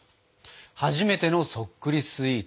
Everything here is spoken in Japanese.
初めてのそっくりスイーツ。